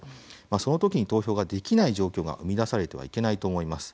その時に投票ができない状況が生み出されてはいけないと思います。